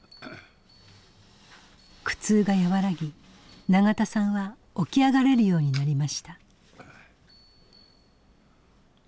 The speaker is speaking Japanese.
苦痛が和らぎ永田さんは起き上がれるようになりました。